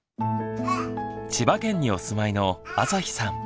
千葉県にお住まいのあさひさん。